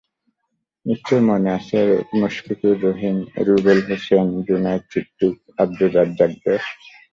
নিশ্চয়ই মনে আছে মুশফিকুর রহিম, রুবেল হোসেন, জুনায়েদ সিদ্দিক, আবদুর রাজ্জাকদের।